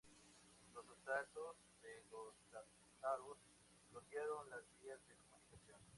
Los asaltos de los tártaros bloquearon las vías de comunicación.